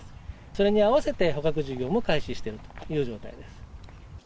それに合わせて、捕獲事業も開始しているという状態です。